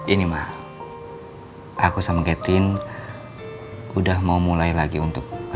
ini ma aku sama kathleen udah mau mulai lagi untuk rencana